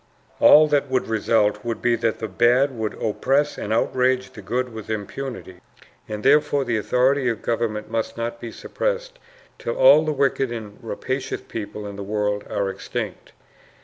All that would result, would be that the bad would oppress and outrage the good with impunity. And therefore the authority of government must not be suppressed till all the wicked and rapacious people in the world are extinct.